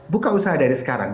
buka usaha dari sekarang